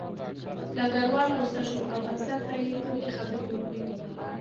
ډګروال غوسه شو او افسر ته یې تندې خبرې وکړې